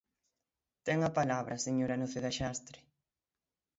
Ten a palabra, señora Noceda Xastre.